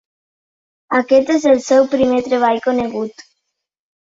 Aquest és el seu primer treball conegut.